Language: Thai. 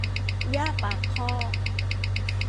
หญ้าปากคอก